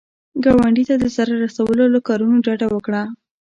ګاونډي ته د ضرر رسولو له کارونو ډډه وکړه